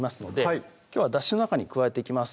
いきょうはだしの中に加えていきます